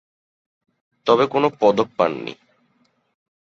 তবে কোন পদক পাননি।